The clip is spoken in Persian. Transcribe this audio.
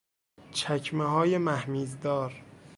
چکمههای مهمیزدار